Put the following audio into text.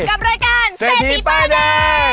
กับรายการเศรษฐีป้ายแดง